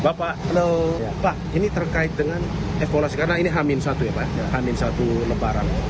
bapak ini terkait dengan evaluasi karena ini hamin satu ya pak hamin satu lebaran